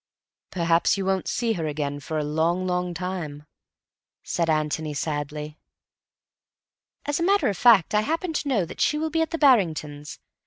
"Perhaps you won't see her again for a long, long time," said Antony sadly. "As a matter of fact, I happen to know that she will be at the Barringtons.